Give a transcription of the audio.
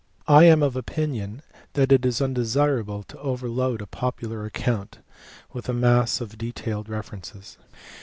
I am of opinion that it is undesirable to overload a popular account with a mass of detailed references.